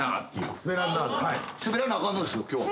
滑らなあかんのです今日。